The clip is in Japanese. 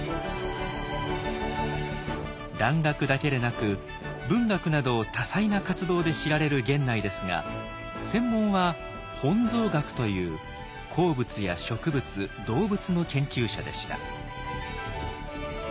蘭学だけでなく文学など多彩な活動で知られる源内ですが専門は本草学という鉱物や植物動物の研究者でした。